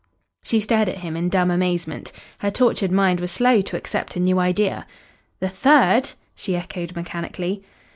She stared at him in dumb amazement. Her tortured mind was slow to accept a new idea. "The third!" she echoed mechanically.